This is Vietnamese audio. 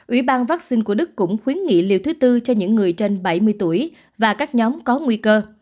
ủy ban vaccine của đức cũng khuyến nghị liều thứ tư cho những người trên bảy mươi tuổi và các nhóm có nguy cơ